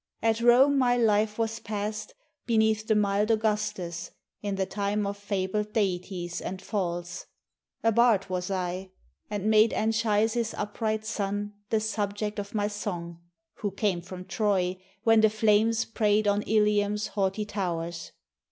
At Rome my life was past Beneath the mild Augustus, in the time Of fabled deities and false. A bard Was I, and made Anchises' upright son The subject of my song, who came from Troy, When the flames prey'd on Ilium's haughty towers.